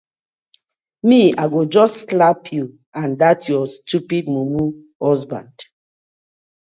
Mi I go just slap yu and dat yur stupid mumu husband.